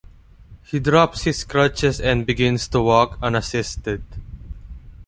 He drops his crutches and begins to walk unassisted.